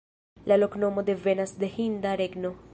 La loknomo devenas de hinda regno.